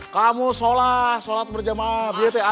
kamu sholat sholat berjamaah bia te'ajam